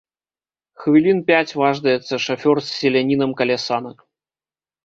Хвілін пяць важдаецца шафёр з селянінам каля санак.